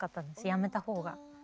辞めた方が。